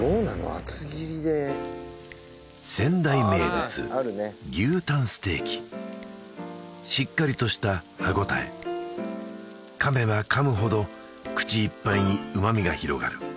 厚切りで仙台名物牛タンステーキしっかりとした歯ごたえ噛めば噛むほど口いっぱいに旨みが広がる